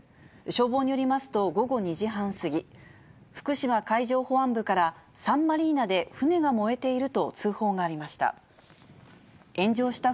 消防によりますと、午後２時半過ぎ、福島海上保安部からサンマリーナで船が燃えていると通報がありました。